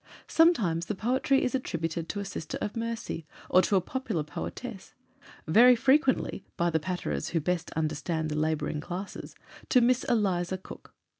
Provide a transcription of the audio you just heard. Sometimes the poetry is attributed to a sister of mercy, or to a popular poetess; very frequently, by the patterers who best understand the labouring classes, to Miss Eliza Cook.